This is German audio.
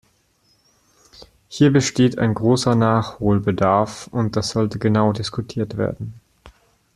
Hier besteht ein großer Nachholbedarf, und das sollte genau diskutiert werden.